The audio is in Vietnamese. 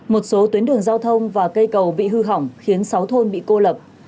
một số tuyến đường giao thông và cây cầu bị hư hỏng khiến sáu thôn bị cô lập